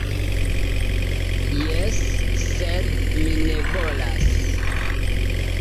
Jes, sed mi ne volas!